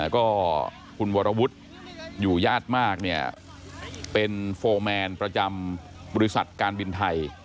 ก็คุณวรวุฒิอยู่ญาติมากเนี่ยเป็นโฟร์แมนประจำบริษัทการบินไทย